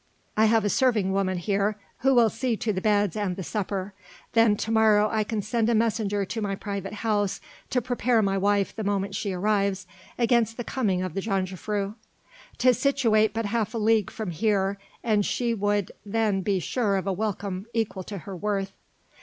I have a serving woman here who will see to the beds and the supper. Then to morrow I can send a messenger to my private house to prepare my wife the moment she arrives, against the coming of the jongejuffrouw. 'Tis situate but half a league from here, and she would then be sure of a welcome equal to her worth."